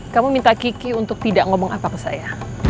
kamu minta kiki untuk tidak ngomong apa ke saya